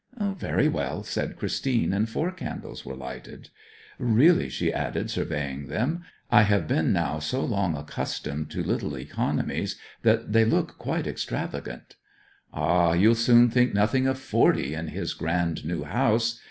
'Very well,' said Christine, and four candles were lighted. 'Really,' she added, surveying them, 'I have been now so long accustomed to little economies that they look quite extravagant.' 'Ah, you'll soon think nothing of forty in his grand new house!